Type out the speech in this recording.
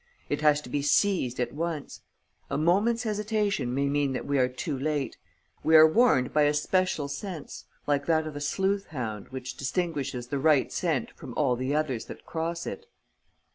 It has to be seized at once. A moment's hesitation may mean that we are too late. We are warned by a special sense, like that of a sleuth hound which distinguishes the right scent from all the others that cross it."